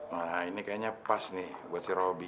nah ini kayaknya pas nih buat si roby